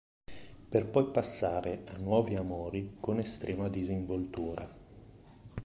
Per poi passare a nuovi amori con estrema disinvoltura.